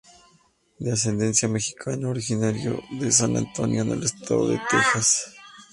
De ascendencia mexicana, originario de San Antonio en el estado de Texas.